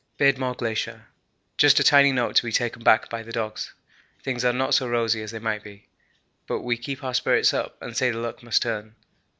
'Beardmore Glacier. Just a tiny note to be taken back by the dogs. Things are not so rosy as they might be, but we keep our spirits up and say the luck must turn.